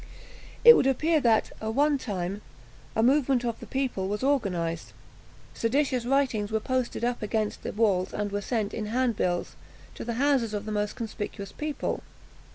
It would appear that, a one time, a movement of the people was organised. Seditious writings were posted up against the walls, and were sent, in hand bills, to the houses of the most conspicuous people.